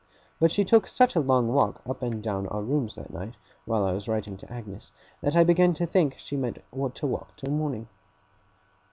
But she took such a long walk up and down our rooms that night, while I was writing to Agnes, that I began to think she meant to walk till morning.